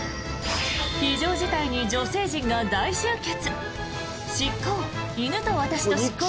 非常事態に女性陣が大集結！